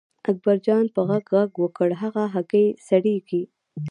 اکبرجان په غږ غږ وکړ هغه هګۍ سړېږي.